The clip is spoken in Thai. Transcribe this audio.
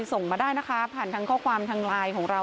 ส่งมาได้นะคะผ่านทางข้อความทางไลน์ของเรา